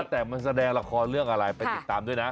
แต่มันแสดงละครเรื่องอะไรไปติดตามด้วยนะ